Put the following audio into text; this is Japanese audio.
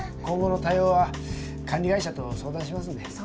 今後の対応は管理会社と相談しますので。